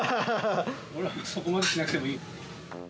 俺はそこまでしなくてもいい。